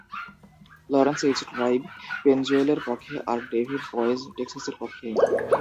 Lawrence H. Tribe পেনজোয়েলের পক্ষে আর ডেভিড বয়েজ টেক্সাসের পক্ষে।